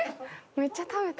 めっちゃ食べた。